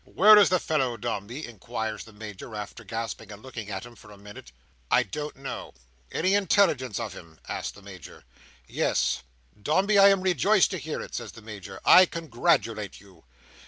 "Where is the fellow, Dombey?" inquires the Major, after gasping and looking at him, for a minute. "I don't know." "Any intelligence of him?" asks the Major. "Yes." "Dombey, I am rejoiced to hear it," says the Major. "I congratulate you."